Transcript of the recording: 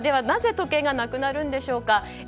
なぜ時計がなくなるんでしょうか。